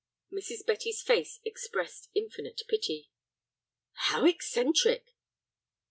Mrs. Betty's face expressed infinite pity. "How eccentric!"